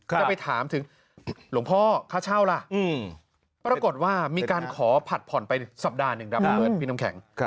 จะไปถามถึงหลวงพ่อค่าเช่าล่ะปรากฏว่ามีการขอผัดผ่อนไปสัปดาห์หนึ่งครับพี่เบิร์ดพี่น้ำแข็ง